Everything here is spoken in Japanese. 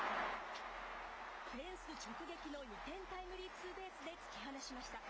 フェンス直撃の２点タイムリーツーベースで突き放しました。